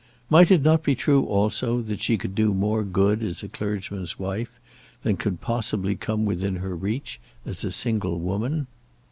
Might it not be true, also, that she could do more good as a clergyman's wife than could possibly come within her reach as a single woman?